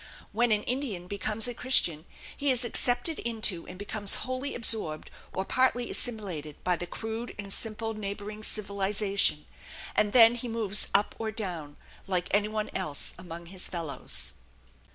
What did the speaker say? When an Indian becomes a Christian he is accepted into and becomes wholly absorbed or partly assimilated by the crude and simple neighboring civilization, and then he moves up or down like any one else among his fellows.